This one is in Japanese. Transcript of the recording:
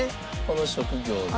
この職業で。